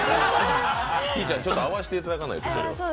ひぃちゃん、ちょっと合わせていただかないと。